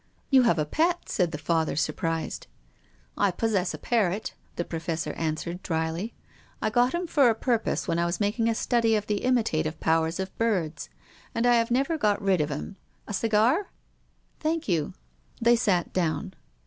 " You have a pet," said the Father, surprised. " I possess a parrot," the Professor answered, drily, " I got him for a purpose when I was mak ing a study of the imitative powers of birds, and I have never got rid of him. A cigar? "" Thank you." They sat down.